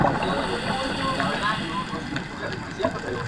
Es el nuevo estudiante de su colegio, y es ciego.